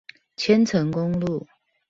千層公路